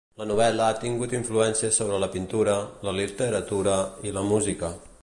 La novel·la ha tingut influència sobre la pintura, la literatura i la música.